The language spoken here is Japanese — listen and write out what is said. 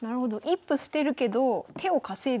一歩捨てるけど手を稼いでる。